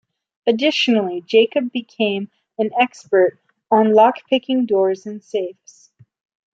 Additionally, Jacob became an expert on lock-picking doors and safes.